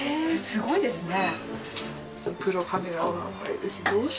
すごいですね。